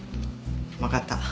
わかった。